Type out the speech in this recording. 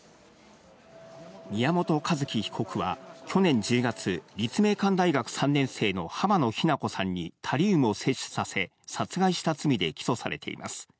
宮本一希被告は去年１０月、立命館大学３年生の浜野日菜子さんにタリウムを摂取させ殺害した罪で起訴されています。